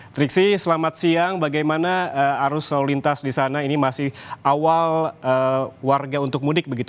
triksi selamat siang bagaimana arus lalu lintas di sana ini masih awal warga untuk mudik begitu